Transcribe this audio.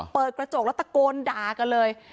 เปิดกระจกแล้วตะโกนด่ากันเลย